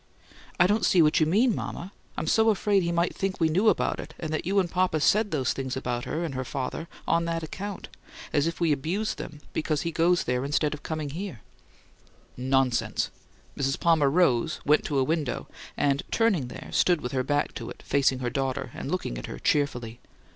"I don't see what you mean, mama. I'm so afraid he might think we knew about it, and that you and papa said those things about her and her father on that account as if we abused them because he goes there instead of coming here." "Nonsense!" Mrs. Palmer rose, went to a window, and, turning there, stood with her back to it, facing her daughter and looking at her cheerfully.